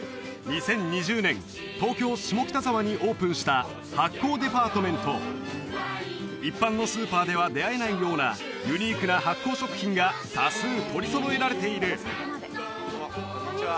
２０２０年東京下北沢にオープンした発酵デパートメント一般のスーパーでは出会えないようなユニークな発酵食品が多数取り揃えられているこんにちは